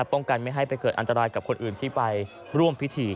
ป้องกันไม่ให้ไปเกิดอันตรายกับคนอื่นที่ไปร่วมพิธี